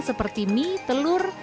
seperti mie telur